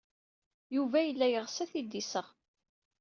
Yuba yella yeɣs ad t-id-iseɣ.